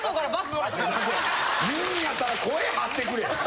言うんやったら声張ってくれ！